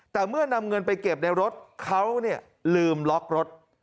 แต่เมื่อนำเงินไปเก็บในรถเขาลืมล็อกรถ